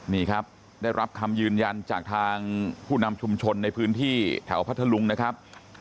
นี่ครับได้รับคำยืนยันจากทางผู้นำชุมชนในพื้นที่แถวพัทธลุงนะครับ